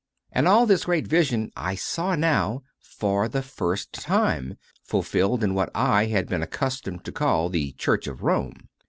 And all this great vision I saw now for the first time fulfilled in what I had been accustomed to call the Church of Rome.